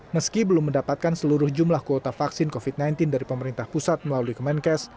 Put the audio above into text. meski belum mendapatkan seluruh jumlah kuota vaksin covid sembilan belas dari pemerintah pusat melalui kemenkes